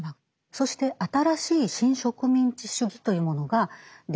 そして新しい新植民地主義というものができていく。